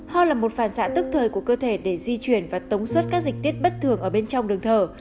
ho là một phản xạ tức thời của cơ thể để di chuyển và tống suất các dịch tiết bất thường ở bên trong đường thở